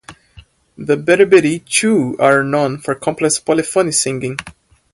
The Beriberi too are known for complex polyphony singing.